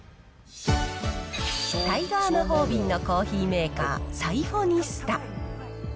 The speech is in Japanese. タイガー魔法瓶のコーヒーメーカー、サイフォニスタ。